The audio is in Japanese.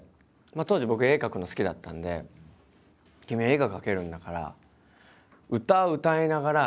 当時僕絵描くの好きだったんで「君絵が描けるんだから」